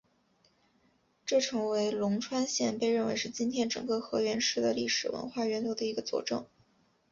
这成为龙川县被认为是今天整个河源市的历史文化源流的一个佐证。